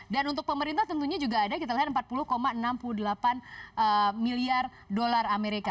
dan untuk pemerintah tentunya juga ada kita lihat empat puluh enam puluh delapan miliar dolar amerika